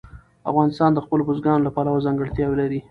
افغانستان د خپلو بزګانو له پلوه ځانګړتیاوې لري.